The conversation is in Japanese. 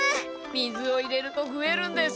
水を入れるとふえるんです。